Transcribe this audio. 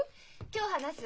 今日話す。